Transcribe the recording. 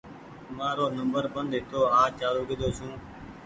مآرو نمبر بند هيتو آج چآلو ڪۮو ڇوٚنٚ